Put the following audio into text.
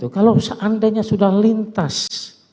kalau seandainya sudah lintas